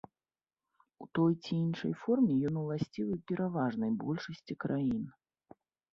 У той ці іншай форме ён уласцівы пераважнай большасці краін.